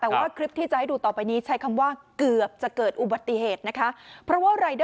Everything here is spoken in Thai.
ว่าคลิปที่จะให้ดูต่อไปนี้ชัยคำว่าเกือบจะเกิดอุบัติเหตุนะคะเพราะว่า